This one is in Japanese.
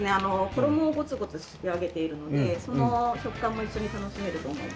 衣をゴツゴツ仕上げているのでその食感も一緒に楽しめると思います。